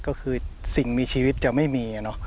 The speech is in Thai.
ก็คือสิ่งมีชีวิตจะไม่มี